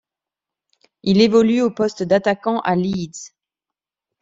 Il évolue au poste d'attaquant à Leeds.